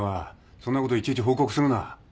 そんなこといちいち報告するな。